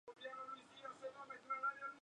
Habita en Comoras.